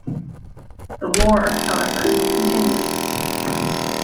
The war, however, continued.